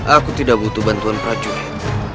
aku tidak butuh bantuan prajurit